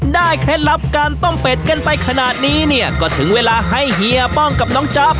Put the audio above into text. ได้เคล็ดลับกันต้องเป็ดกันไปขนาดนี้เนี่ยก็ถึงเวลาให้หญ้าป้องกับน้องจับ